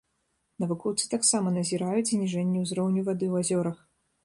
Навукоўцы таксама назіраюць зніжэнне ўзроўню вады ў азёрах.